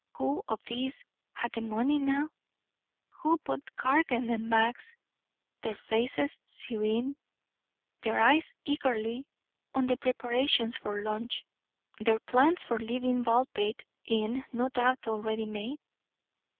Who of these had the money now? Who but Cargan and Max, their faces serene, their eyes eagerly on the preparations for lunch, their plans for leaving Baldpate Inn no doubt already made?